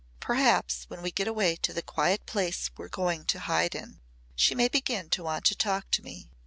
Perhaps when we get away to the quiet place we're going to hide in, she may begin to want to talk to me.